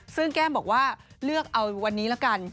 ซึ่งแก้มบอกว่าเลือกเอาวันนี้ละกัน